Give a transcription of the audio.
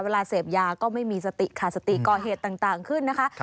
เวลาเสพยาก็ไม่มีสติขาดสติก่อเหตุต่างขึ้นนะคะ